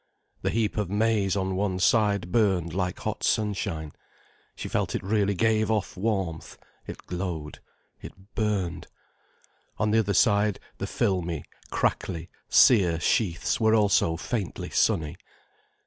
The heap of maize on one side burned like hot sunshine, she felt it really gave off warmth, it glowed, it burned. On the other side the filmy, crackly, sere sheaths were also faintly sunny.